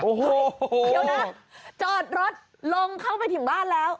โอ้โหเดี๋ยวนะจอดรถลงเข้าไปถึงบ้านแล้ว